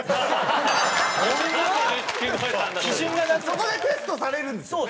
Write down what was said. そこでテストされるんですよ。